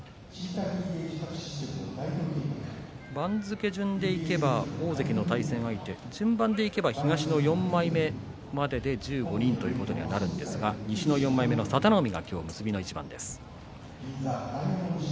番付順でいけば大関の対戦相手順番でいけば東の４枚目までで１５人ということにはなるんですが西の４枚目佐田の海